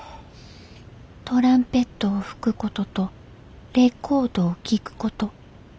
トランペットを吹くこととレコードを聴くこと。